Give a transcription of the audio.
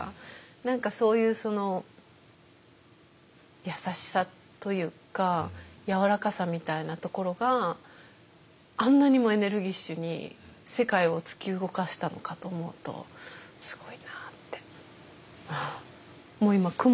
何かそういう優しさというかやわらかさみたいなところがあんなにもエネルギッシュに世界を突き動かしたのかと思うとすごいなって。